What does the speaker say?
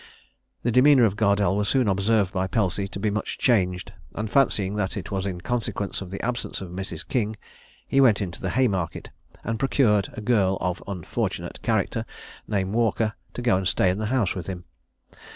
The demeanour of Gardelle was soon observed by Pelsey to be much changed, and fancying that it was in consequence of the absence of Mrs. King, he went into the Haymarket, and procured a girl of unfortunate character named Walker to go and stay in the house with him.